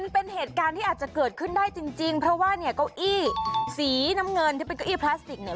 เป็นเหตุการณ์ที่อาจจะเกิดขึ้นได้จริงเพราะว่าเนี่ยเก้าอี้สีน้ำเงินที่เป็นเก้าอี้พลาสติกเนี่ย